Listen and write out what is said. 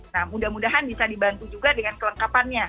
nah mudah mudahan bisa dibantu juga dengan kelengkapannya